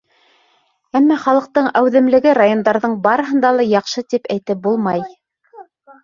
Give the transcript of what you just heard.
Әммә халыҡтың әүҙемлеге райондарҙың барыһында ла яҡшы тип әйтеп булмай.